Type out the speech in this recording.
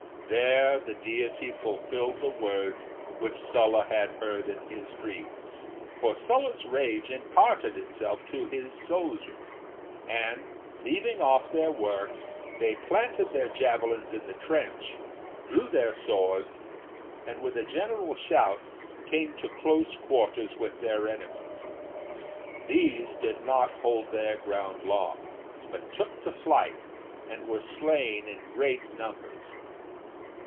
There the Deity fulfilled the words which Sulla had heard in his dreams. For Sulla's rage imparted itself to his soldiers, and leaving off their work, they planted their javelins in the trench, drew their swords, and with a general shout came to close quarters with their enemies. These did not hold their ground long, but took to flight, and were slain in great numbers.